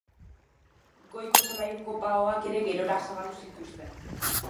Goiko solairuko baoak ere gerora zabaldu zituzten.